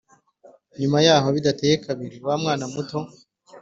Nyuma yaho bidateye kabiri wa mwana muto